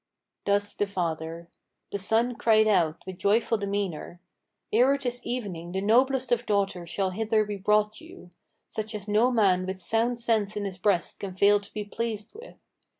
Thus the father. The son cried out with joyful demeanor, "Ere it is evening the noblest of daughters shall hither be brought you, Such as no man with sound sense in his breast can fail to be pleased with.